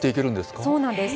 そうなんです。